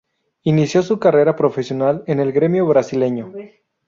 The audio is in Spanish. Inició su carrera profesional en el Grêmio brasileño.